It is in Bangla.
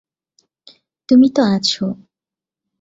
তুমি তো আছো।